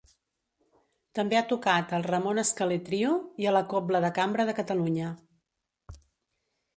També ha tocat al Ramon Escalé Trio i a la Cobla de Cambra de Catalunya.